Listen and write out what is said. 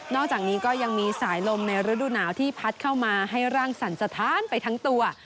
อกจากนี้ก็ยังมีสายลมในฤดูหนาวที่พัดเข้ามาให้ร่างสั่นสะท้านไปทั้งตัว